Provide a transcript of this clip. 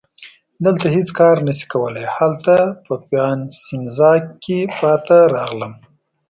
دلته هیڅ کار نه شي کولای، هلته په پیاسینزا کي پاتې راغلم.